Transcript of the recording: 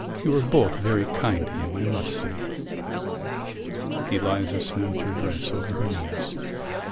You were both very kind to him, I must say." Eliza smoothed her dress over her knees.